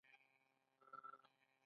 آیا دوی تر ټولو اوږده پوله نلري؟